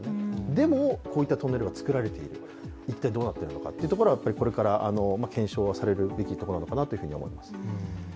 でも、こういったトンネルがつくられている、一体どうなっていくのかというのは、これから検証はされるべきところなのかなと思います。